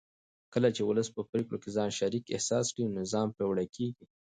کله چې ولس په پرېکړو کې ځان شریک احساس کړي نو نظام پیاوړی کېږي